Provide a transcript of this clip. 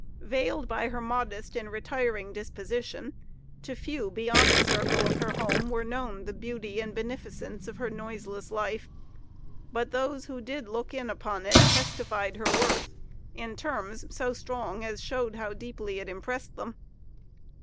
Veiled by her modest and retiring disposition, to few beyond the circle of her home were known the beauty and beneficence of her noiseless life; but those who did look in upon it testified her worth in terms so strong as showed how deeply it impressed them.